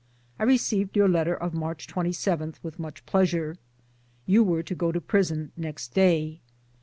I received your letter of March 27 with much pleasure. You were to go to prison next day.